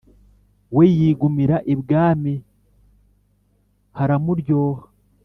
we yigumira ibwami; haramuryoha,